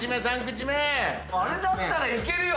あれだったらいけるよ。